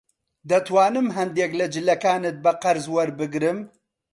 دەتوانم هەندێک لە جلەکانت بە قەرز وەربگرم؟